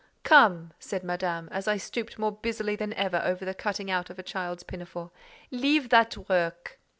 "Come," said Madame, as I stooped more busily than ever over the cutting out of a child's pinafore, "leave that work."